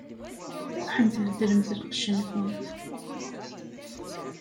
Ṛuḥemt beddlemt lqecc-nkent.